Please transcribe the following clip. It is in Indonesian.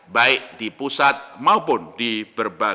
baik di pusat maupun di pusat